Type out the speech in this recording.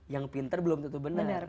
yang pinter belum tentu benar